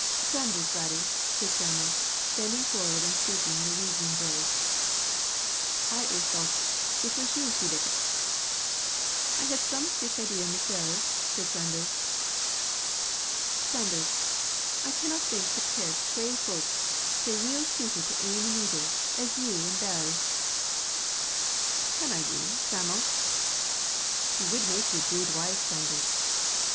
"Sanders, laddie," said Sam'l, bending forward and speaking in a wheedling voice, "I aye thocht it was you she likit." "I had some sic idea mysel," said Sanders. "Sanders, I canna think to pairt twa fowk sae weel suited to ane anither as you an' Bell." "Canna ye, Sam'l?" "She wid make ye a guid wife, Sanders.